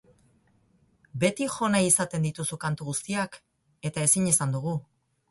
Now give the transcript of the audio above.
Beti jo nahi izaten dituzu kantu guztiak, eta ezin izan dugu.